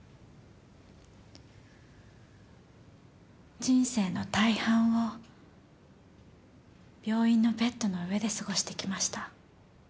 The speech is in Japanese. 人生の大半を病院のベッドの上で過ごしてきました。